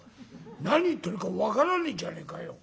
何言ってるか分からねえじゃねえかよ。